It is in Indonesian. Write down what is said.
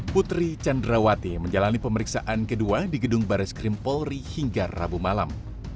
putri candrawati menjalani pemeriksaan kedua di gedung baris krim polri hingga rabu malam